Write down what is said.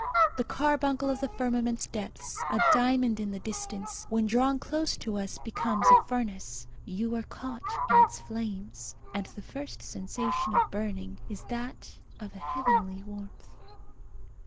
The carbuncle of the firmament's depths, a diamond in the distance, when drawn close to us becomes a furnace. You are caught in its flames. And the first sensation of burning is that of a heavenly warmth.